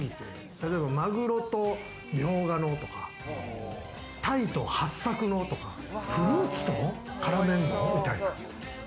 例えばマグロとミョウガとか、鯛とハッサクのとか、フルーツと絡めるの？みたいな。